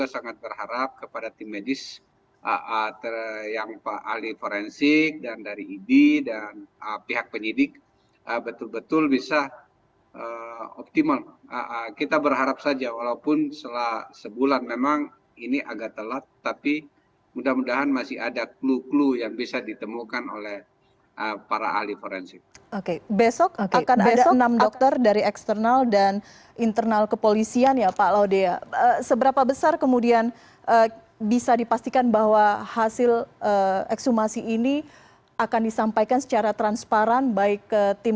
sehingga kita berharap bahwa betul betul mereka sangat objektif